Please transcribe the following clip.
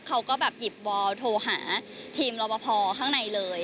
เขาก็หยิบวอร์โทรหาทีมเรามาพอข้างในเลย